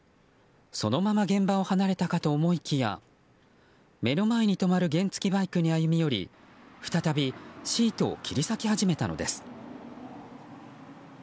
そのまま現場を離れたかと思いきや目の前に止まる原付きバイクに歩み寄り再び、シートを切り裂き始めたのです。